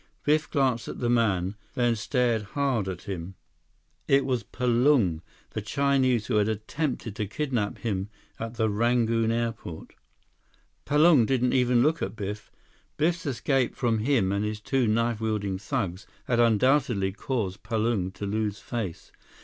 Biff glanced at the man, then stared hard at him. It was Palung, the Chinese who had attempted to kidnap him at the Rangoon airport. Palung didn't even look at Biff. Biff's escape from him and his two knife wielding thugs, had undoubtedly caused Palung to lose face.